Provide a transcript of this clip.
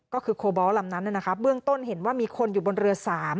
ก็คือโคบอลลำนั้นเบื้องต้นเห็นว่ามีคนอยู่บนเรือ๓